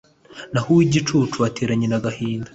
naho uw'igicucu agatera nyina agahinda